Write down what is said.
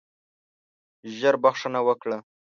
ژر بخښنه وکړه.